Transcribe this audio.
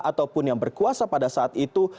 ataupun yang berkuasa pada saat itu